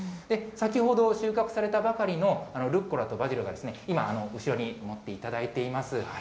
先ほど収穫されたばかりのルッコラとバジルが今、後ろに持っていただいています。